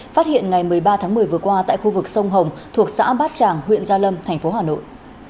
phát hiện ngày một mươi ba tháng một mươi vừa qua tại khu vực sông hồng thuộc xã bát tràng huyện gia lâm thành phố hà nội